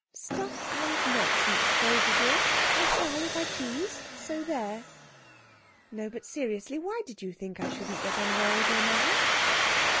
"Stuff and nonsense, Prosy dear! I shall, if I choose. So there!... No, but seriously why did you think I shouldn't get on well with your mother?"